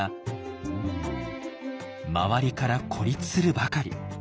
周りから孤立するばかり。